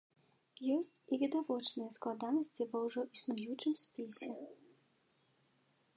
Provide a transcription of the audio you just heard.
Ёсць і відавочныя складанасці ва ўжо існуючым спісе.